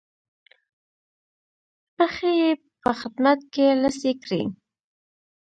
پښې یې په خدمت کې لڅې کړې.